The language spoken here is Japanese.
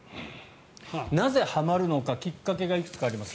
なぜはまるのかきっかけがいくつかあります。